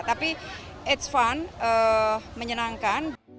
tapi it's fun menyenangkan